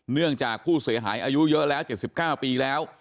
เนื่องจากผู้เสียหายอายุเยอะแล้ว๗๙ปีแล้ว